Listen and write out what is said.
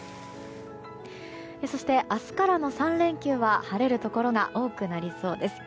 そして、明日からの３連休は晴れるところが多くなりそうです。